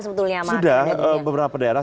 sebetulnya sudah beberapa daerah